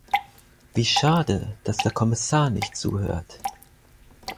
Wie schade, dass der Kommissar nicht zuhört.